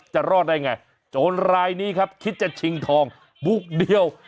จะรอดได้ไงโจรรายนี้ครับคิดจะชิงทองบุกเดียว